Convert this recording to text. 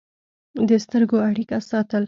د سترګو اړیکه ساتل